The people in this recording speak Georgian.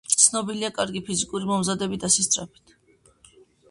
ცნობილია კარგი ფიზიკური მომზადებით და სისწრაფით.